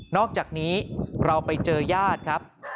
อกจากนี้เราไปเจอญาติครับ